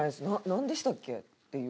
なんでしたっけ？」って言う。